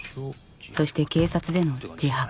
そして警察での自白。